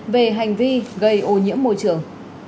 về hành vi gây ô nhiễm môi trường